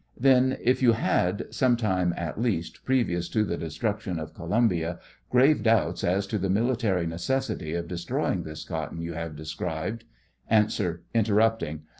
Then, if you had, sometime at least, previous to the destruction of Columbia, grave doubts as to the military necessity of destroying this cotton you have described A. (Interrupting.)